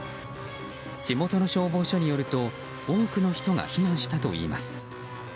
地元の消防署によると多くの人が避難したといいます。